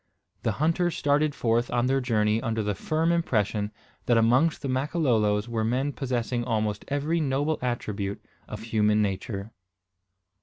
The hunters started forth on their journey under the firm impression that amongst the Makololo were men possessing almost every noble attribute of human nature.